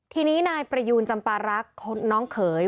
ทีนี้นายประยูนจำปารักษ์น้องเขย